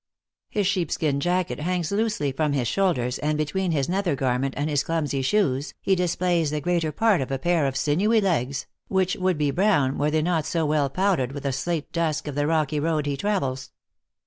His sheep skin jacket hangs loosely from his shoulders, and between his nether garment and his clumsy shoes, he displays the greater part of a pair of sinewy legs, which \vould be brown, were they not so w r ell pow dered with the slate dust of the rocky road he travels.